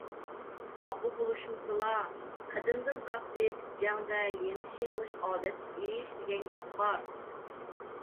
خاپا بولۇشمىسىلا. قەدىمدىن تارتىپ «جەڭدە يېڭىش - يېڭىلىش ئادەتتىكى ئىش» دېگەن گەپ بار.